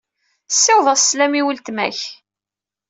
Ssiweḍ-as sslam i weltma-k.